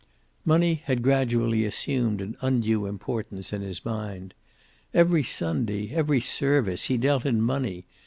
Money had gradually assumed an undue importance in his mind. Every Sunday, every service, he dealt in money.